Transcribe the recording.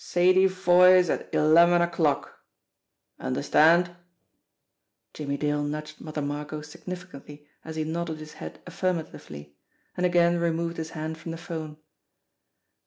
Sadie Foy*s at eleven o'clock. Understand?" Jimmie Dale nudged Mother Margot significantly as he nodded his head affirmatively, and again removed his hand from the phone.